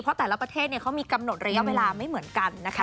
เพราะแต่ละประเทศเขามีกำหนดระยะเวลาไม่เหมือนกันนะคะ